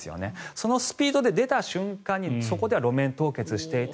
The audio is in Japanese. そのスピードで出た瞬間にそこでは路面凍結していて